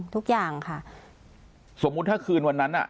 ทุกอย่างค่ะสมมุติถ้าคืนวันนั้นอ่ะ